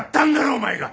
お前が。